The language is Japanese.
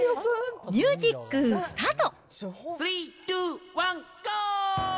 ミュージックスタート。